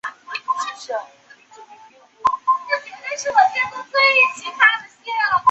日本机器人搏击大赛冠军